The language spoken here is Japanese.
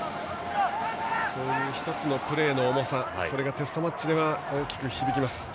１つのプレーの重さそれがテストマッチでは大きく響きます。